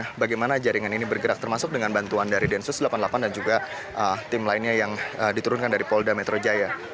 dan bagaimana jaringan ini bergerak termasuk dengan bantuan dari densus delapan puluh delapan dan juga tim lainnya yang diturunkan dari polda metro jaya